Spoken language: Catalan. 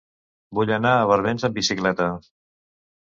Vull anar a Barbens amb bicicleta.